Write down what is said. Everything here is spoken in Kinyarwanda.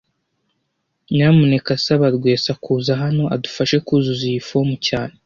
Nyamuneka saba Rwesa kuza hano adufashe kuzuza iyi fomu cyane